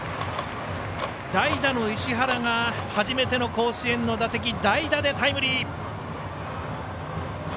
代打の石原が初めての甲子園の打席代打でタイムリー。